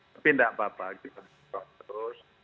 tapi tidak apa apa kita buka terus